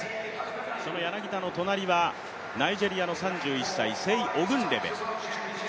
その柳田の隣はナイジェリアの３１歳、セイ・オグンレベ。